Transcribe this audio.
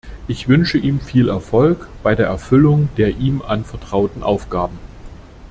Ich wünsche ihm viel Erfolg bei der Erfüllung der ihm anvertrauten Aufgaben.